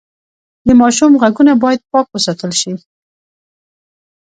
د ماشوم غوږونه باید پاک وساتل شي۔